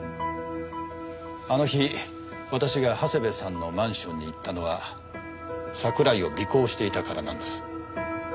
あの日私が長谷部さんのマンションに行ったのは桜井を尾行していたからなんです。